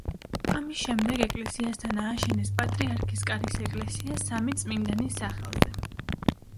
ამის შემდეგ ეკლესიასთან ააშენეს პატრიარქის კარის ეკლესია სამი წმინდანის სახელზე.